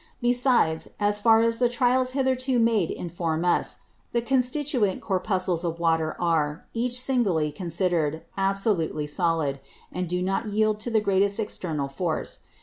Besides, as far as the Trials hitherto made inform us, the constituent Corpuscles of Water are, each singly consider'd, absolutely solid; and do not yield to the greatest External Force.